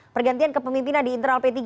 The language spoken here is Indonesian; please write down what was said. pergantian kepemimpinan di internal p tiga